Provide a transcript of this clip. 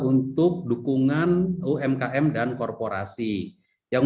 untuk dukungan umkm dan korporasi yang